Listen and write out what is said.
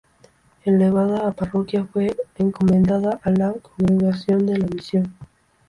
Elevada a parroquia, fue encomendada a la Congregación de la Misión.